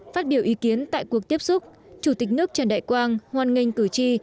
phát biểu ý kiến tại cuộc tiếp xúc chủ tịch nước trần đại quang hoàn nghênh cử tri